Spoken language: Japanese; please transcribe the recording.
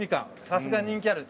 さすが人気ある。